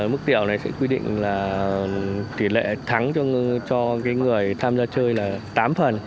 mức tiểu này sẽ quy định là tỷ lệ thắng cho người tham gia chơi là tám phần